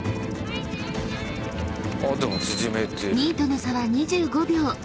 ［２位との差は２５秒］